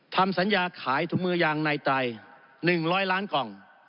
ทำสัญญาขายถุงมือยางในไตร๑๐๐ล้านกล่อง